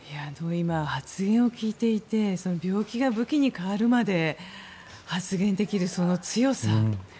発言を聞いていて病気が武器に変わるまで発言できるその強さ。